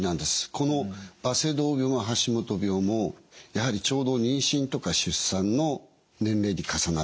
このバセドウ病も橋本病もやはりちょうど妊娠とか出産の年齢に重なるんですね。